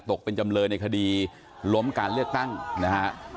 ตกเป็นจำเลยในคดีล้มการเลือกตั้งนะฮะ